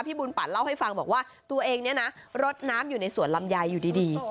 บุญปั่นเล่าให้ฟังบอกว่าตัวเองเนี่ยนะรดน้ำอยู่ในสวนลำไยอยู่ดี